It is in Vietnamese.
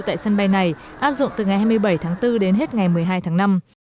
tại sân bay này áp dụng từ ngày hai mươi bảy tháng bốn đến hết ngày một mươi hai tháng năm